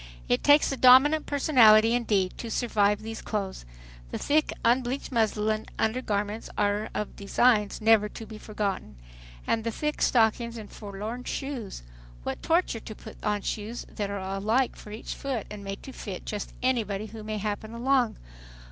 It takes a dominant personality indeed to survive these clothes. The thick unbleached muslin undergarments are of designs never to be forgotten! And the thick stockings and forlorn shoes! What torture to put on shoes that are alike for each foot and made to fit just anybody who may happen along.